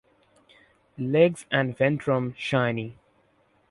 Legs and ventrum shiny.